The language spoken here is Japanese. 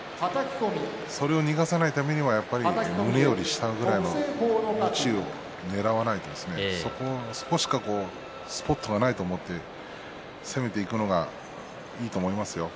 それを逃がさないためにはやっぱり胸より下ぐらいその位置をねらわないとそこしかスポットがないと思って攻めていくのがいいと思いますよ。